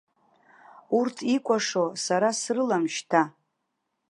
Урҭ икәашо сара срылам шьҭа.